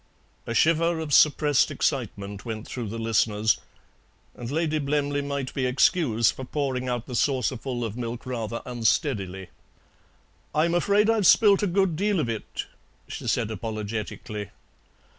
A shiver of suppressed excitement went through the listeners, and Lady Blemley might be excused for pouring out the saucerful of milk rather unsteadily. "I'm afraid I've spilt a good deal of it," she said apologetically.